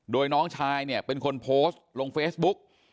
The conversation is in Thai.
โดยน้องชายเนี่ยเป็นคนโพสต์ลงเฟซบุ๊ก